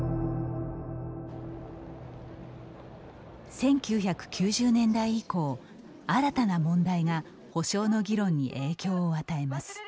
１９９０年代以降、新たな問題が補償の議論に影響を与えます。